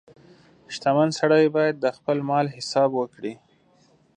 • شتمن سړی باید د خپل مال حساب وکړي.